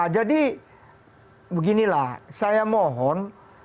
jadi beginilah saya mohon